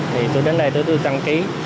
thì tôi đến đây để tôi đăng ký